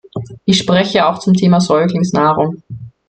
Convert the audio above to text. Ich spreche auch zum Thema Säuglingsnahrung.